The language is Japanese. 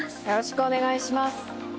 よろしくお願いします。